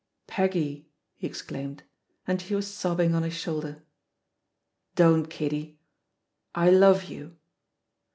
"Peggy I" he exclaimed — ^and she was sohhing on his shoulder. "Don% kiddy! Hove you.''